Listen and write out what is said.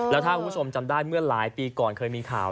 แล้วถ้าคุณผู้ชมจำได้เมื่อหลายปีก่อนเคยมีข่าว